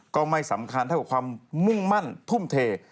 ก็ไม่สำคัญเท่ากับความมุ่งมั่นทุ่มเท